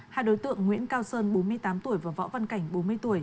hai đối tượng nguyễn cao sơn bốn mươi tám tuổi và võ văn cảnh bốn mươi tuổi